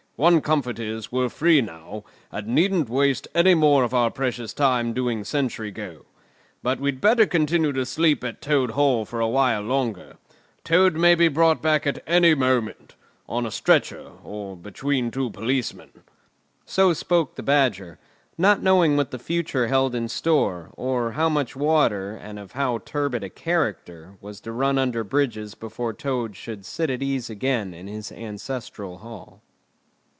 One comfort is, we're free now, and needn't waste any more of our precious time doing sentry go. But we'd better continue to sleep at Toad Hall for a while longer. Toad may be brought back at any moment—on a stretcher, or between two policemen." So spoke the Badger, not knowing what the future held in store, or how much water, and of how turbid a character, was to run under bridges before Toad should sit at ease again in his ancestral Hall.